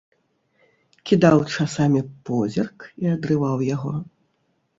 Кідаў часамі позірк і адрываў яго.